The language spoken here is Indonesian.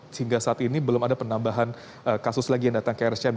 sehingga saat ini belum ada penambahan kasus lagi yang datang ke rsc